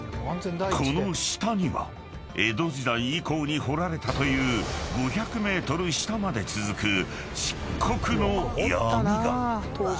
［この下には江戸時代以降に掘られたという５００ｍ下まで続く漆黒の闇が］